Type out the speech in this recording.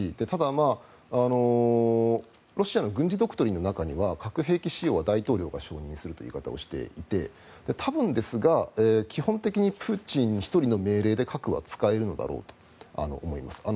ただロシアの軍事ドクトリンの中には核兵器使用は大統領が承認するという言い方をしていて、多分ですが基本的にプーチン１人の命令で核は使えるんだろうと思います。